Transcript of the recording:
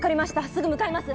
すぐ向かいます。